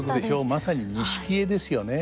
まさに錦絵ですよね。